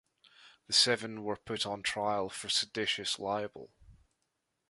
The seven were put on trial for seditious libel.